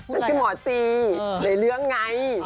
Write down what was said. ฉันคือหมอตีหลายเรื่องไง